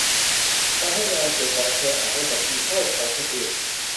ทำให้งานเขียนของเธออาจไม่สมจริงเท่าของคนอื่น